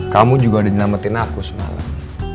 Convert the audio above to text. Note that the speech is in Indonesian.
kamu juga udah nyelamatin aku semalam